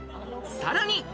さらに。